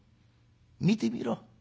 見てみろ。